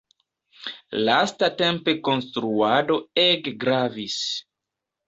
Lastatempe konstruado ege gravis.